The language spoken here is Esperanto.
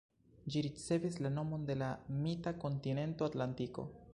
Ĝi ricevis la nomon de la mita kontinento Atlantido.